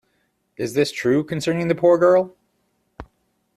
Is this true concerning the poor girl?